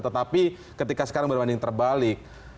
tetapi ketika sekarang berbanding terbalik